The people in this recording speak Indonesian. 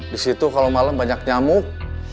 di situ kalau malam banyak nyamuk